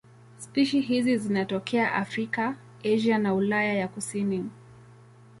Spishi hizi zinatokea Afrika, Asia na Ulaya ya kusini.